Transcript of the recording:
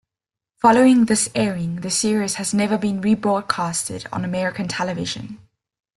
Following this airing, the series has never been rebroadcast on American television.